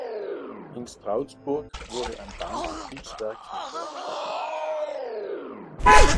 In Stroudsburg wurde ein Bahnbetriebswerk mit Werkstätten errichtet.